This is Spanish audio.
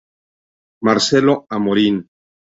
Marcelo Amorín